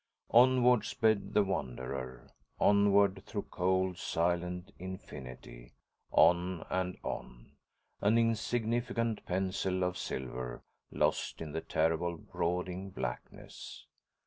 _ Onward sped the Wanderer, onward through cold, silent infinity, on and on, an insignificant pencil of silver lost in the terrible, brooding blackness.